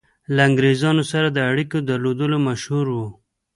له انګرېزانو سره د اړېکو درلودلو مشهور وو.